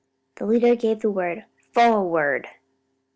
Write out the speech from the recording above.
The leader gave the word, "Forward!"